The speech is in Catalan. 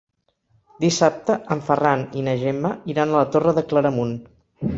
Dissabte en Ferran i na Gemma iran a la Torre de Claramunt.